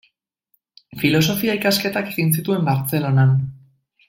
Filosofia ikasketak egin zituen Bartzelonan.